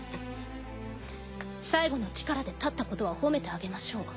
最後の力で立ったことは褒めてあげましょう。